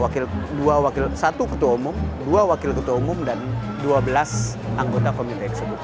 satu ketua umum dua wakil ketua umum dan dua belas anggota komite tersebut